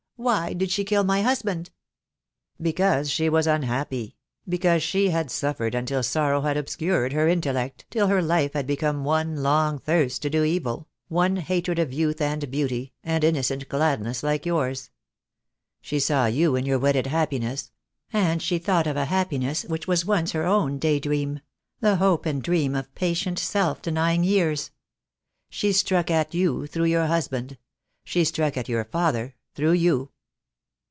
why did she kill my husband?" "Because she was unhappy — because she had suffered until sorrow had obscured her intellect, till her life had become one long thirst to do evil — one hatred of youth and beauty, and innocent gladness like yours. She saw you in your wedded happiness, and she thought of a happiness which was once her own day dream — the hope and dream of patient, self denying years. She struck at you through your husband. She struck at your father through you."